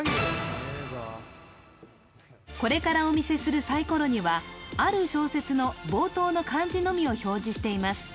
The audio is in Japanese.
これからお見せするサイコロにはある小説の冒頭の漢字のみを表示しています。